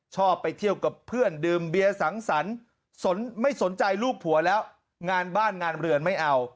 ชอบไปเที่ยวกับเพื่อนดื่มเบียร์สังสรรค์ไม่สนใจลูกผัวแล้วงานบ้านงานเรือนไม่เอา